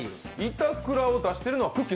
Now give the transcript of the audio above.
板倉を出してるのはくっきー！